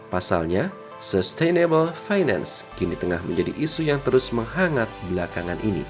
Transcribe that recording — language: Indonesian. pasalnya sustainable finance kini tengah menjadi isu yang terus menghangat belakangan ini